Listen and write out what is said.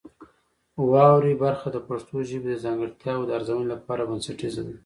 واورئ برخه د پښتو ژبې د ځانګړتیاوو د ارزونې لپاره بنسټیزه ده.